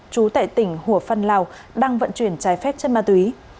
trú tại tỉnh hùa phân lào đang vận chuyển trái phép chất ma túy